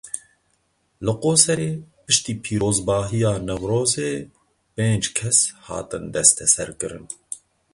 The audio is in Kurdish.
Li Qoserê piştî pîrozbahiya Newrozê pênc kes hatin desteserkirin.